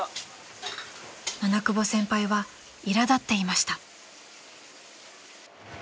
［七久保先輩はいら立っていました］